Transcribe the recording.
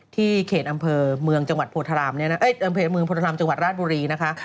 ที่เขตอำเภอเมืองจังหวัดโพธารามจังหวัดราชบุรีนะคะ